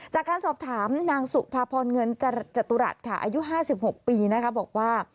จากการสอบถามนางสุภาพรเงินจตุรัสค่ะอายุ๕๖ปีนะคะบอกว่า